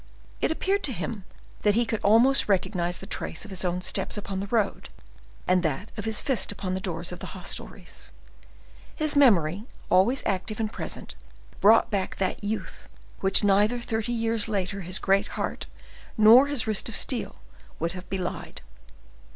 It appeared to him that he could almost recognize the trace of his own steps upon the road, and that of his fist upon the doors of the hostelries;—his memory, always active and present, brought back that youth which neither thirty years later his great heart nor his wrist of steel would have belied.